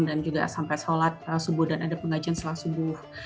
dan juga sampai sholat subuh dan ada pengajian selasubuh